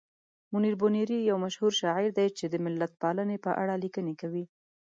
منیر بونیری یو مشهور شاعر دی چې د ملتپالنې په اړه لیکنې کوي.